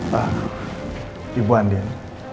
pak ibu andien